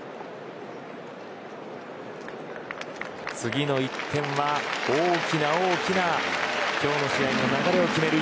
次の１点は大きな大きな今日の試合の流れを決める